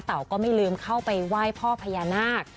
ก็ไม่ลืมเข้าไปไหว้พ่อพญานาค